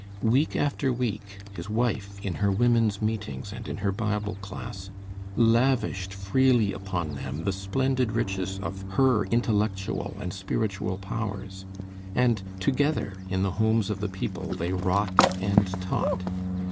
Week after week his wife, in her women's meetings and in her Bible class, lavished freely upon them the splendid riches of her intellectual and spiritual powers, and together in the homes of the people they wrought and taught.